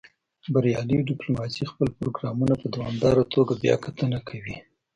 بریالۍ ډیپلوماسي خپل پروګرامونه په دوامداره توګه بیاکتنه کوي